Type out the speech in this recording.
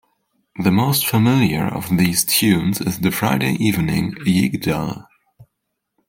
The most familiar of these tunes is the Friday evening "Yigdal".